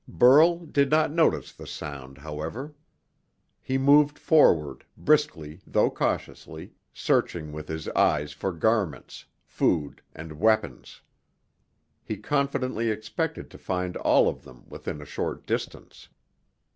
Burl did not notice the sound, however. He moved forward, briskly though cautiously, searching with his eyes for garments, food, and weapons. He confidently expected to find all of them within a short distance.